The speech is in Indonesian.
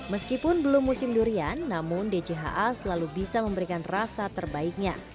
meskipun belum musim durian namun djha selalu bisa memberikan rasa terbaiknya